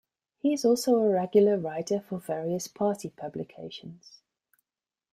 He is also a regular writer for various party publications.